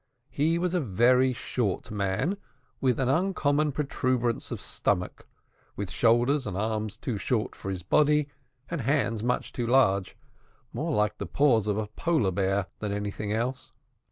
He was a very short man, with an uncommon protuberance of stomach, with shoulders and arms too short for his body, and hands much too large, more like the paws of a Polar bear than anything else.